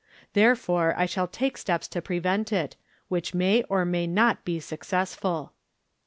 Therefore I shall take steps to prevent it, which may or may not be successful.